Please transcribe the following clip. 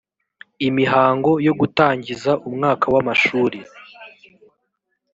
imihango yo gutangiza umwaka w amashuri